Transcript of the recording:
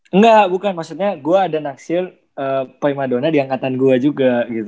engga bukan maksudnya gue ada naksil prima donna diangkatan gue juga gitu